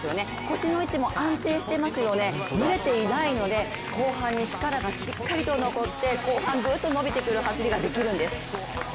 腰の位置も安定していますよねぶれていないので後半に力がしっかりと残って後半ぐっと伸びてくる走りができるんです。